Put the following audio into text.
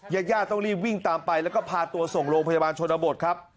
ญาติย่าต้องรีบวิ่งตามไปแล้วก็พาตัวส่งโรงพยาบาลชนบทครับ